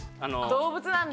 動物なんだ。